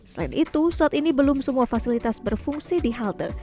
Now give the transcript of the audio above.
selain itu saat ini belum semua fasilitas berfungsi di halte